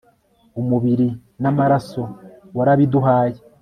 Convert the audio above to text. umubiri n'amaraso warabiduhaye